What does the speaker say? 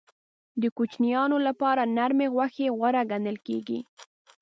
د کوچنیانو لپاره نرمې غوښې غوره ګڼل کېږي.